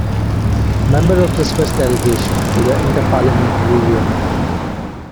Member of the Swiss Delegation to the Inter-Parliamentary Union.